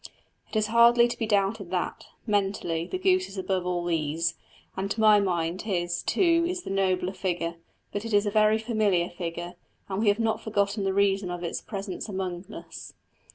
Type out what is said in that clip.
It is hardly to be doubted that, mentally, the goose is above all these; and to my mind his, too, is the nobler figure; but it is a very familiar figure, and we have not forgotten the reason of its presence among us.